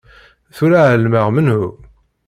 Tura ɛelmeɣ menhu.